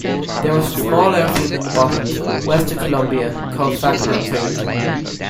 There is a small airfield in the Bottoms west of Columbia called Sackman Field.